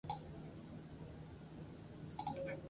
Komunikabideekin hesiaren beste aldetik aritu da harrez geroztik.